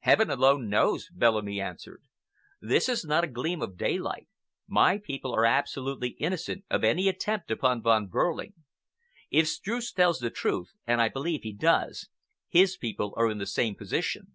"Heaven alone knows!" Bellamy answered. "There is not a gleam of daylight. My people are absolutely innocent of any attempt upon Von Behrling. If Streuss tells the truth, and I believe he does, his people are in the same position.